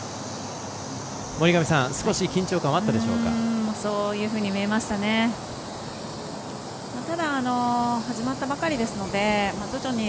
森上さん、少し緊張感があったでしょうか。